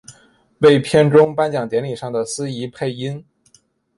为片中颁奖典礼上的司仪配音。